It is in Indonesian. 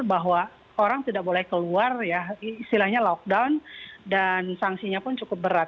bahwa orang tidak boleh keluar ya istilahnya lockdown dan sanksinya pun cukup berat